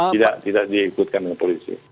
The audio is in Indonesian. tidak diikutkan oleh polisi